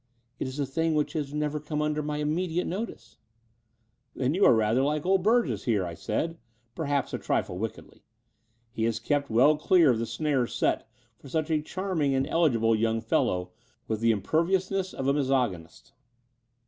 "It is a thing which has never come under my immediate notice." "Then you are rather like old Burgess here," I said, perhaps a trifle wickedly. "He has kept well clear of the snares set for such a charming and eligible young fellow with the imperviousness of a misogynist."